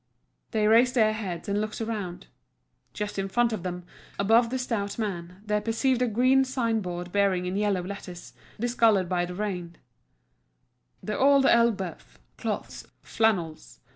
They raised their heads and looked round. Just in front of them, above the stout man, they perceived a green sign board bearing in yellow letters, discoloured by the rain: "The Old Elbeuf. Cloths, Flannels.